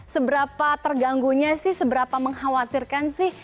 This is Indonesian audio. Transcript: seberapa terganggunya sih seberapa mengkhawatirkan sih